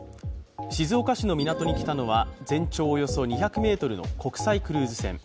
静岡市の港に来たのは全長およそ２００ｍの国際クルーズ船。